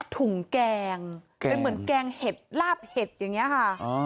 ถุงแกงแกงเหล้าเห็ดอย่างนี้ค่ะ